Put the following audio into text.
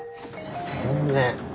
全然。